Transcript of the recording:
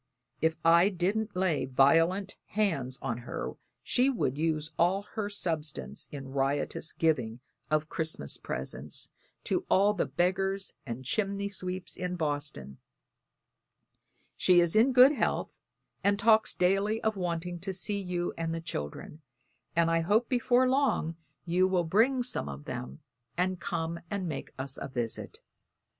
If I didn't lay violent hands on her she would use all our substance in riotous giving of Christmas presents to all the beggars and chimney sweeps in Boston. She is in good health and talks daily of wanting to see you and the children; and I hope before long you will bring some of them, and come and make us a visit.